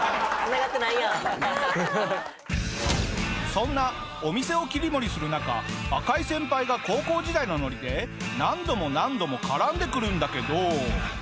そんなお店を切り盛りする中赤井先輩が高校時代のノリで何度も何度も絡んでくるんだけど。